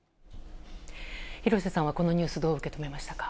廣瀬さんはこのニュースをどう受け止めましたか？